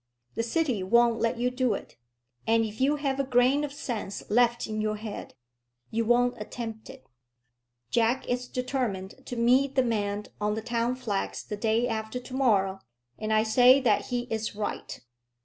The city won't let you do it; and if you have a grain of sense left in your head, you won't attempt it. Jack is determined to meet the men on the Town Flags the day after to morrow, and I say that he is right.